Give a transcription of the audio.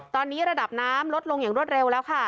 ตอนนี้ระดับน้ำลดลงอย่างรวดเร็วแล้วค่ะ